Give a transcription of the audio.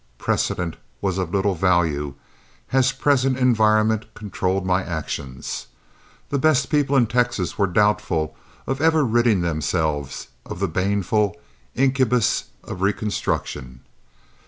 Precedent was of little value, as present environment controlled my actions. The best people in Texas were doubtful of ever ridding themselves of the baneful incubus of Reconstruction.